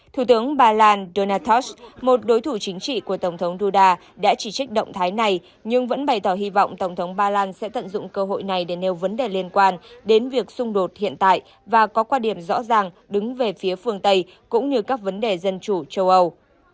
thủ tướng ba lan donatas một đối thủ chính trị của tổng thống duda đã chỉ trích động thái này nhưng vẫn bày tỏ hy vọng tổng thống ba lan sẽ tận dụng cơ hội này để nêu vấn đề liên quan đến việc xung đột hiện tại và có quan điểm rõ ràng đứng về phía phương tây cũng như các vấn đề dân chủ châu âu